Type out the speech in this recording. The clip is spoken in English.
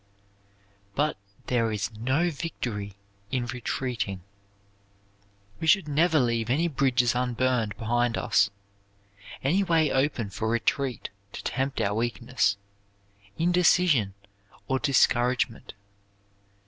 But there is no victory in retreating. We should never leave any bridges unburned behind us, any way open for retreat to tempt our weakness, indecision or discouragement.